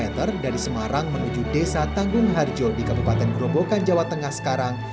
yang berjauh dua puluh lima km dari semarang menuju desa tanggung harjo di kabupaten groboka jawa tengah sekarang